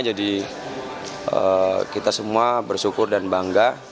jadi kita semua bersyukur dan bangga